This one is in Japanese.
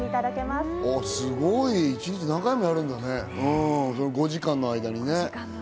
すごい、一日７回もやるんだね、５時間の間に。